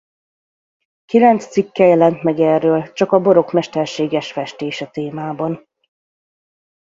Kilenc cikke jelent meg erről csak a borok mesterséges festése témában.